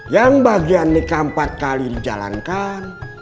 yang bagian nikah empat kali dijalankan